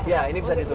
iya ini bisa ditutup